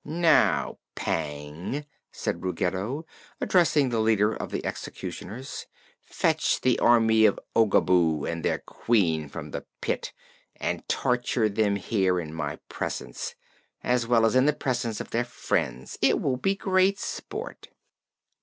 "Now, Pang," said Ruggedo, addressing the leader of the executioners, "fetch the Army of Oogaboo and their Queen from the pit and torture them here in my presence as well as in the presence of their friends. It will be great sport."